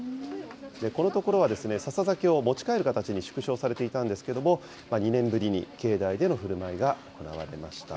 このところはですね、笹酒を持ち帰る形に縮小されていたんですけれども、２年ぶりに境内でのふるまいが行われました。